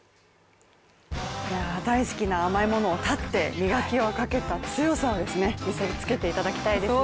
大好きな甘いものをたって磨きを付けた技を見せつけていただきたいですね。